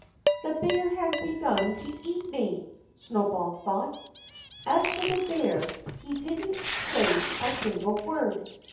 The bear has begun to eat me!" Snowball thought. As for the bear, he didn't say a single word.